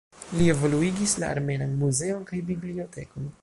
Li evoluigis la armenan muzeon kaj bibliotekon.